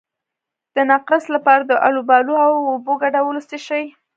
د نقرس لپاره د الوبالو او اوبو ګډول وڅښئ